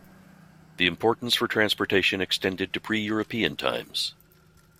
The importance for transportation extended to pre-European times.